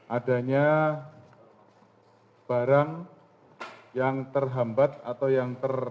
adanya barang yang terhambat atau yang ter